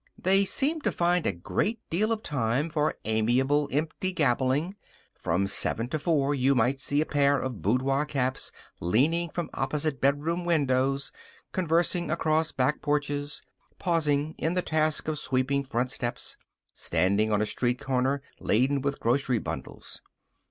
They seemed to find a great deal of time for amiable, empty gabbling From seven to four you might see a pair of boudoir caps leaning from opposite bedroom windows, conversing across back porches, pausing in the task of sweeping front steps, standing at a street corner, laden with grocery bundles.